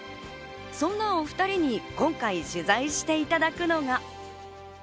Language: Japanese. そんなお２人に今回取材していただくのが。